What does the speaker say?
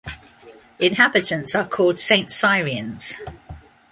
Inhabitants are called "Saint-Cyriens".